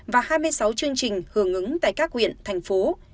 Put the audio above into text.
và hai mươi sáu chương trình hưởng ứng tại các huyện thành phố